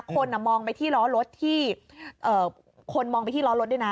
คนมองไปที่ล้อรถที่คนมองไปที่ล้อรถด้วยนะ